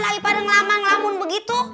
lagipada ngelaman ngelamun begitu